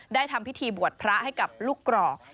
ทำพิธีบวชพระให้กับลูกกรอก